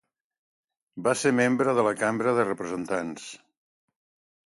Va ser membre de la Cambra de Representants.